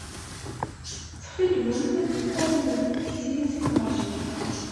Ttxil-went, aznemt-t s yizen uɛjil.